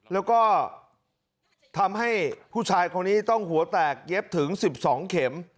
แล้วก็ทำให้ผู้ชายคนนี้ต้องหัวแตกเย็บถึง๑๒เข็ม